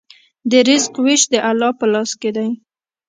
د رزق وېش د الله په لاس کې دی.